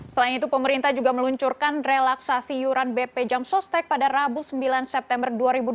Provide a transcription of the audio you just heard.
selain itu pemerintah juga meluncurkan relaksasi yuran bp jam sostek pada rabu sembilan september dua ribu dua puluh